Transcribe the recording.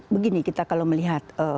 begini kita kalau melihat